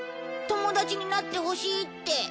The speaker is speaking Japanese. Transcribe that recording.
友達になってほしいって。